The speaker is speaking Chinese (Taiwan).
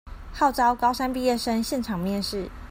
號召高三畢業生現場面試